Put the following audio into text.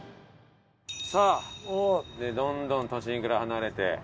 さあどんどん都心から離れて。